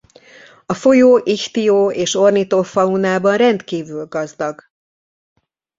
A folyó ichthyo- és ornithofaunában rendkívül gazdag.